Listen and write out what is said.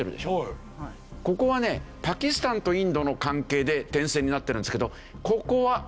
ここはねパキスタンとインドの関係で点線になってるんですけどここは。